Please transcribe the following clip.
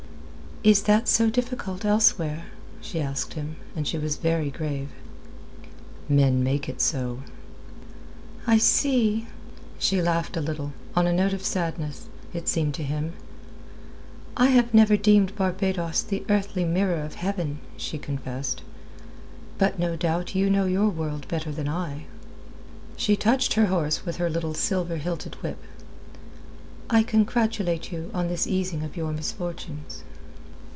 "Is that so difficult elsewhere?" she asked him, and she was very grave. "Men make it so." "I see." She laughed a little, on a note of sadness, it seemed to him. "I have never deemed Barbados the earthly mirror of heaven," she confessed. "But no doubt you know your world better than I." She touched her horse with her little silver hilted whip. "I congratulate you on this easing of your misfortunes."